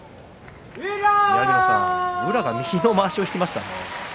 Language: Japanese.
宮城野さん宇良が右のまわしを引きました。